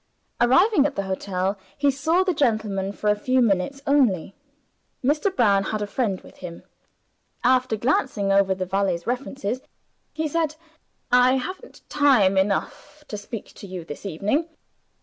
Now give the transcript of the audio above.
Arriving at the hotel he saw the gentleman for a few minutes only. Mr. Brown had a friend with him. After glancing over the valet's references, he said, "I haven't time enough to speak to you this evening.